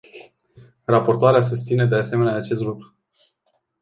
Raportoarea susține, de asemenea, acest lucru.